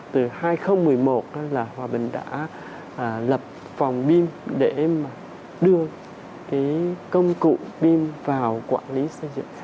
từ hai nghìn một mươi một là hòa bình đã lập phòng bim để đưa công cụ bim vào quản lý xây dựng